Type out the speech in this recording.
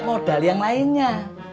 modal yang lainnya